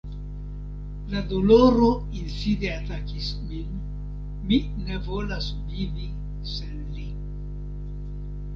La doloro inside atakis min: mi ne volas vivi sen li.